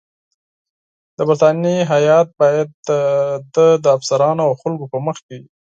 د برټانیې هیات باید د ده د افسرانو او خلکو په مخ کې.